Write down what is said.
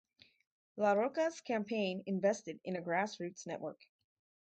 LaRocco's campaign invested in a grassroots network.